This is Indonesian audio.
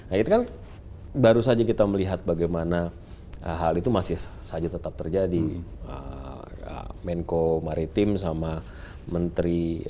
nah itu kan baru saja kita melihat bagaimana hal itu masih saja tetap terjadi menko maritim sama menteri